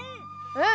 うん！